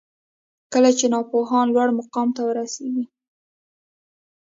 کله چي ناپوهان لوړ مقام ته ورسیږي